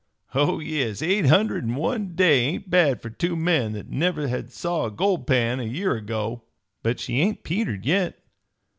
"Oh, yes, eight hundred in one day ain't bad for two men that never had saw a gold pan a year ago. But she ain't petered yit.